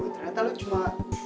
ternyata lo cuma